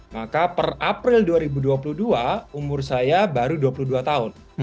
maka per april dua ribu dua puluh dua umur saya baru dua puluh dua tahun